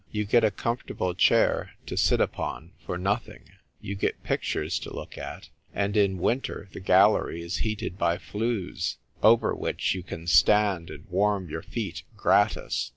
You get a comfortable chair to sit upon for nothing; you get pictures to look at ; and in winter the gallery is heated by flues, over which you car stand and warm your feet gratis.